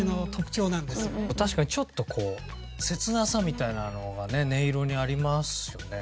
確かにちょっとこう切なさみたいなのが音色にありますよね。